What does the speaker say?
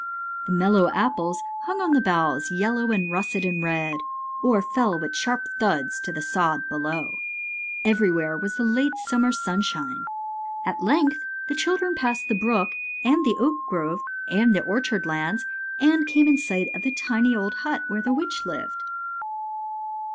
The mellow apples hung on the boughs, yel low and russet and red, or fell with sharp thuds to the sod below. Everywhere was the late summer sunshine. At length the children passed the brook and the oak grove and the orchard lands, and came GOLDENROD AND ASTER 219 in sight of the tiny old hut where the witch lived.